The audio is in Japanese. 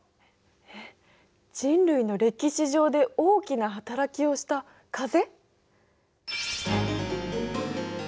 え人類の歴史上で大きな働きをした風？